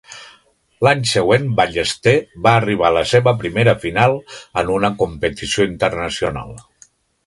L'any següent Ballester va arribar a la seva primera final en una competició internacional.